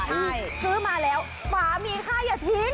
ใช่ซื้อมาแล้วฝามีค่าอย่าทิ้ง